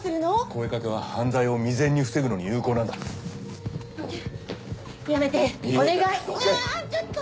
声掛けは犯罪を未然に防ぐのに有効なイヤちょっと！